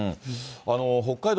北海道